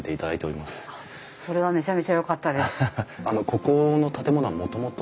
ここの建物はもともと？